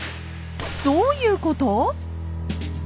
どういうこと⁉